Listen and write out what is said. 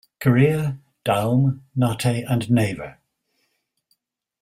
Korea, Daum, Nate, and Naver.